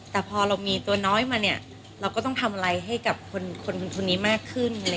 แต่พอเรามีตัวน้อยมาเนี่ยเราก็ต้องทำอะไรให้กับคนนี้มากขึ้น